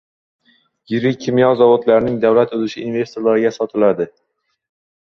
Yirik kimyo zavodlarining davlat ulushi investorlarga sotiladi